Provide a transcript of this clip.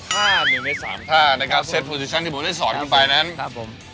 ภาพหนึ่งใน๓ภาพนะครับเสร็จโปสิชั่นที่ผมได้สอนกันไปนะครับ